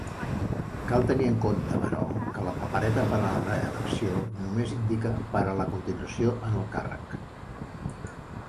Cal tenir en compte, però, que la papereta per a la reelecció només indica "per a la continuació en el càrrec".